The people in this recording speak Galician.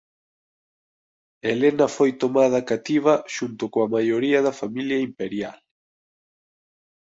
Helena foi tomada cativa xunto coa maioría da familia imperial.